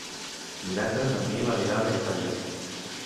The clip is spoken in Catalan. Divendres en Nil anirà a Benifaió.